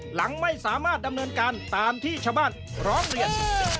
หลังไม่สามารถดำเนินการตามที่ชาวบ้านร้องเรียน